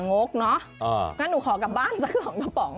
นะคะหนูขอกลับบ้นสั้นความเข้าของกระป๋อง